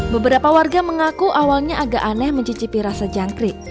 beberapa warga mengaku awalnya agak aneh mencicipi rasa jangkrik